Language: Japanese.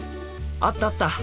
あったあった！